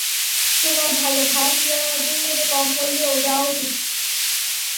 তোমার ভাড়াটিয়াদের কম হইলেও, দেওয়া উচিত।